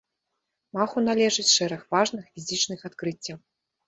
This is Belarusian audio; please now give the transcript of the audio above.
Маху належыць шэраг важных фізічных адкрыццяў.